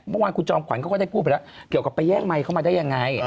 เมื่อวานคุณจอมขวัญเขาก็ได้พูดไปแล้วเกี่ยวกับไปแย่งไมค์เข้ามาได้ยังไง